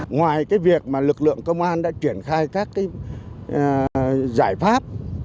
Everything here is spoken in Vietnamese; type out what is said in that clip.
ngoài cái việc mà lực lượng công an đã triển khai các cái giải pháp